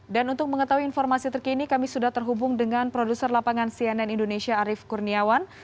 dan untuk mengetahui informasi terkini kami sudah terhubung dengan produser lapangan cnn indonesia arief kurniawan